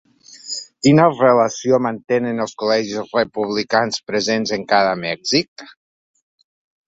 Quina relació mantenen els col·legis republicans presents encara a Mèxic?